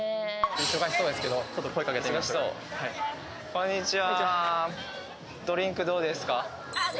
こんにちは。